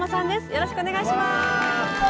よろしくお願いします。わ！